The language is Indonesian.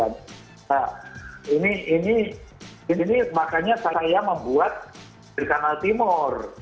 nah ini makanya saya membuat di kanal timur